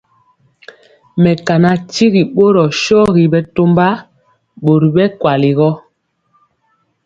Mekana tyigi borɔ shɔgi bɛtɔmba bori bɛ kweli.